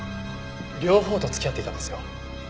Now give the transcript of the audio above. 両方と付き合っていたんですよ。